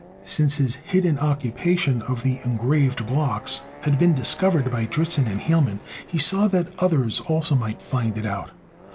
Since his hidden occupation of the engraved blocks had been discovered by Dritzhn and Hielman, he saw that others also might find it out.